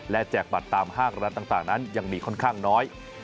และแจกบัตรตามห้างร้านต่างนั้นยังมีค่อนข้างน้อย